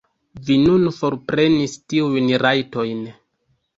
Vi nun forprenis tiujn rajtojn.